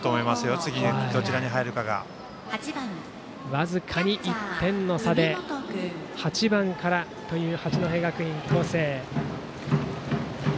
僅かに１点の差で８番からという八戸学院光星です。